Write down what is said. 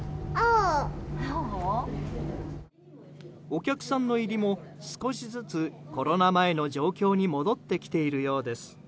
お客さんの入りも、少しずつコロナ前の状況に戻ってきているようです。